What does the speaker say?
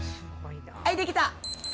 はい、できた。